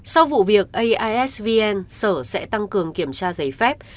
sau vụ việc aisvn sở sẽ tăng cường kiểm tra giấy phép